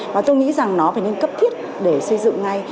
và tôi nghĩ rằng nó phải nên cấp thiết để xây dựng ngay